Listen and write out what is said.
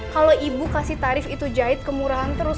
kalau ibu kasih tarif itu jahit kemurahan terus